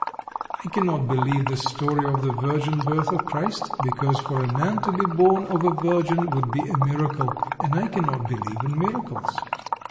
I cannot believe the story of the virgin birth of Christ. Because for a man to be born of a virgin would be a miracle, and I cannot believe in miracles.